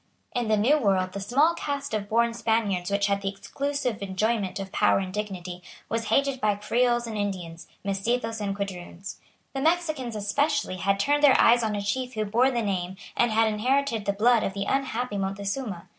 In the New World the small caste of born Spaniards which had the exclusive enjoyment of power and dignity was hated by Creoles and Indians, Mestizos and Quadroons. The Mexicans especially had turned their eyes on a chief who bore the name and had inherited the blood of the unhappy Montezuma.